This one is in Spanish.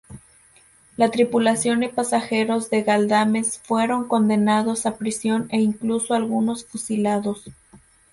La tripulación y pasajeros del "Galdames" fueron condenados a prisión e incluso algunos fusilados.